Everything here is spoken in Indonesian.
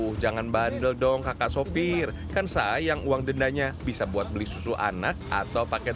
hai jangan bandel dong kakak sopir kan sayang uang dendanya bisa buat beli susu anak atau paket